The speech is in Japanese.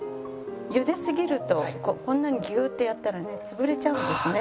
ゆですぎるとこんなにギューッてやったらね潰れちゃうんですね。